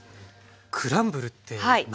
クランブルって何ですか？